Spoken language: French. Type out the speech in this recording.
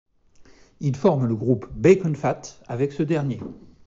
Il forme le groupe Bacon Fat avec ce dernier.